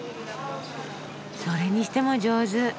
それにしても上手。